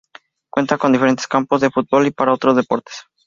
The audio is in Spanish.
Cuenta con diferentes campos de fútbol y para otros deportes.